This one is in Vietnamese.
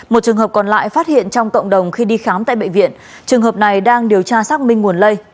một trường hợp còn lại phát hiện trong cộng đồng khi đi khám tại bệnh viện trường hợp này đang điều tra xác minh nguồn lây